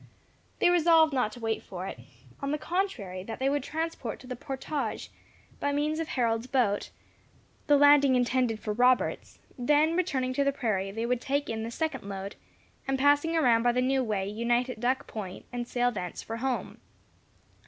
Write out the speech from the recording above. They resolved not to wait for it; on the contrary, that they would transport to the portage, by means of Harold's boat, the lading intended for Robert's; then returning to the prairie, they would take in the second load, and passing around by the new way, unite at Duck Point, and sail thence for home.